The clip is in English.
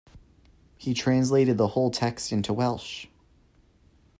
He translated the whole text into Welsh.